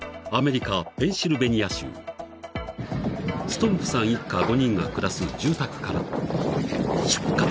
［ストンプさん一家５人が暮らす住宅から出火］